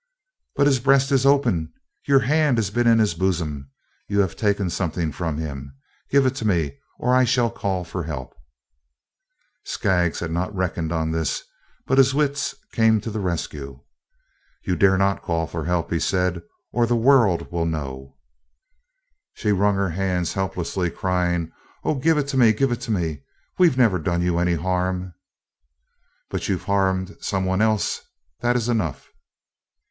"But his breast is open. Your hand has been in his bosom. You have taken something from him. Give it to me, or I shall call for help." Skaggs had not reckoned on this, but his wits came to the rescue. "You dare not call for help," he said, "or the world will know!" She wrung her hands helplessly, crying, "Oh, give it to me, give it to me. We 've never done you any harm." "But you 've harmed some one else; that is enough."